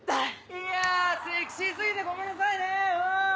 いやセクシー過ぎてごめんなさいねうん！